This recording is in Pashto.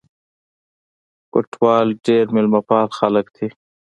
کوټوال ډېر مېلمه پال خلک دي.